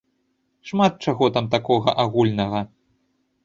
Шмат чаго там такога, агульнага.